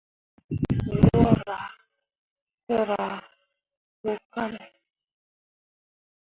Wǝ rah tǝrah wo kane.